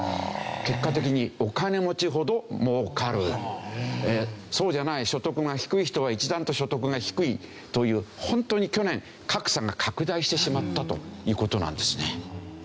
結果的にお金持ちほど儲かるそうじゃない所得が低い人は一段と所得が低いという本当に去年格差が拡大してしまったという事なんですね。